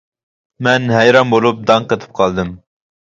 مەن ھەيران بولۇپ داڭ قېتىپ قالدىم.